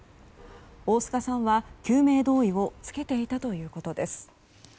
大須賀さんは救命胴衣を着けていたということです。